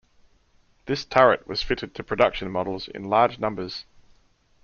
This turret was fitted to production models in large numbers.